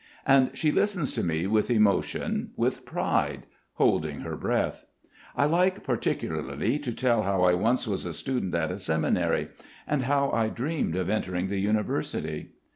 And she listens to me with emotion, with pride, holding her breath. I like particularly to tell how I once was a student at a seminary and how I dreamed of entering the University.